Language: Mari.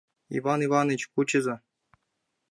Иван Иваныч, кучыза.